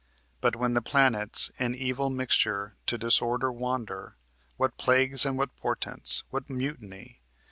But when the planets, In evil mixture, to disorder wander, What plagues and what portents! what mutiny!